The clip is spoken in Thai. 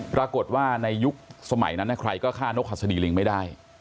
ปรากฏว่าในยุคสมัยนั้นใครก็ฆ่านกหัสดีลิงไม่ได้